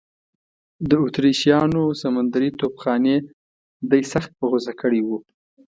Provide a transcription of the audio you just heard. د اتریشیانو سمندري توپخانې دی سخت په غوسه کړی و.